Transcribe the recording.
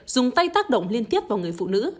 dùng tay tác động liên tiếp vào người phụ nữ